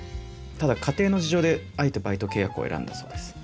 ただ家庭の事情であえてバイト契約を選んだそうです。